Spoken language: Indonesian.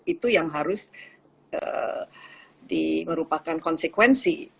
itu yang harus di merupakan konsekuensi